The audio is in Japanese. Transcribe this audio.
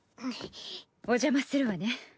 お邪魔するわね。